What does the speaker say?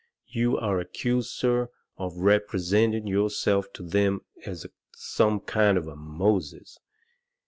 You are accused, sir, of representing yourself to them as some kind of a Moses.